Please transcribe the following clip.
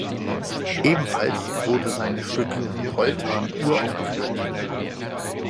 Ebenfalls wurde sein Stück "Poltern" uraufgeführt.